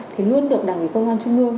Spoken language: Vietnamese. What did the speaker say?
thì luôn được đảng vị công an trung ương